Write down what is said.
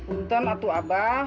untung atau apa